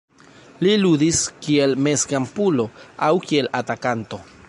Li ludis kiel mezkampulo aŭ kiel atakanto.